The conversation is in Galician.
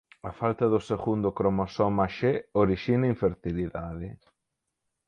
A falta do segundo cromosoma X orixina infertilidade.